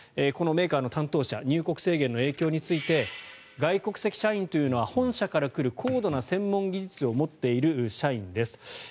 このメーカーの担当者入国制限の影響について外国籍社員というのは本社から来る高度な専門技術を持っている社員です。